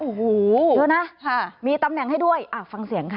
โอ้โหเยอะนะมีตำแหน่งให้ด้วยฟังเสียงค่ะ